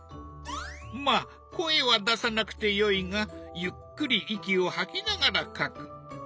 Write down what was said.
まあ声は出さなくてよいがゆっくり息を吐きながら描く。